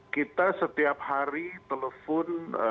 kita setiap hari telepon